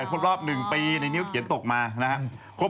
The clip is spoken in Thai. ครบรอบ๑ปีในนิ้วเขียนตกมานะครับ